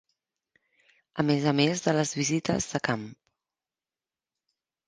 A més a més de les visites de camp.